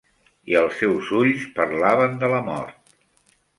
I els seus ulls parlaven de la mort.